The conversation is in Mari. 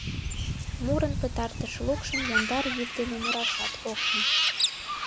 Мурын пытартыш лукшым яндар йӱк дене мурашат ок лий.